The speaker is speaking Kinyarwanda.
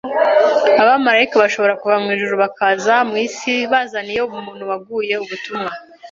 Abamarayika bashobora kuva mu ijuru bakaza mu isi bazaniye umuntu waguye ubutumwa